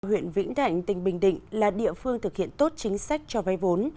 huyện vĩnh đạnh tỉnh bình định là địa phương thực hiện tốt chính sách cho vay vốn